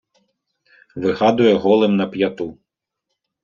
Вигадує голим на п'яту.